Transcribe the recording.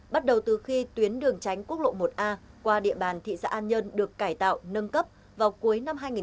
bắt đầu từ khi tuyến đường giao thông đã bị thương hơn hai mươi người